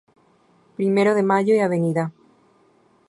Primero de Mayo y Av.